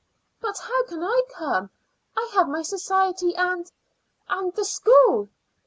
"But how can I come? I have my society and and the school."